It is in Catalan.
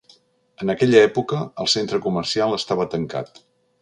En aquella època, el centre comercial estava tancat.